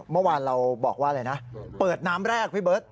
เมื่อวานเราบอกว่าอะไรนะเปิดน้ำแรกพี่เบิร์ต